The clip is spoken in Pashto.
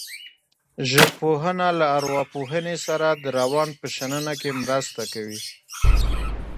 ژبپوهنه له ارواپوهنې سره د روان په شننه کې مرسته کوي